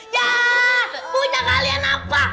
ya punya kalian apa